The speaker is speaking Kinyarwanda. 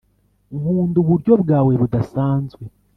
nkunda uburyo bwawe budasanzwe